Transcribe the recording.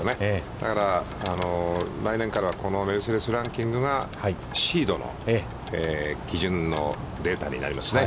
だから、来年からは、このメルセデス・ランキングがシードの基準のデータになりますね。